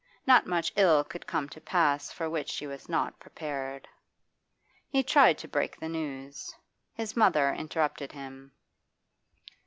Not much ill could come to pass for which she was not prepared. He tried to break the news. His mother interrupted him.